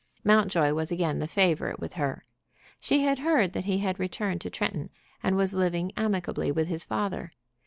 Mountjoy was again the favorite with her. She had heard that he had returned to Tretton, and was living amicably with his father.